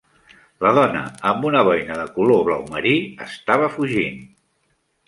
La dona amb una boina de color blau marí estava fugint.